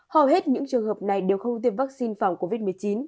hầu hết những trường hợp này đều không tiêm vaccine phòng covid một mươi chín